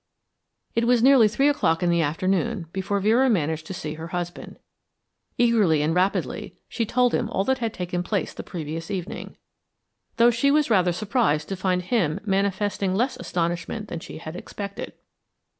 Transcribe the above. It was nearly three o'clock in the afternoon before Vera managed to see her husband. Eagerly and rapidly she told him all that had taken place the previous evening, though she was rather surprised to find him manifesting less astonishment than she had expected.